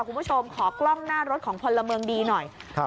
คุณผู้ชมขอกล้องหน้ารถของพลเมืองดีหน่อยครับ